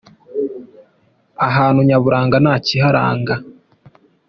Ahantu nyaburanga nta kiharanga